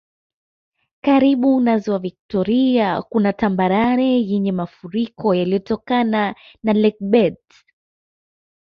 Karibu na Ziwa Viktoria kuna tambarare yenye mafuriko yaliyotokana na lakebeds